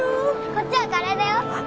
こっちはカレーだよあっ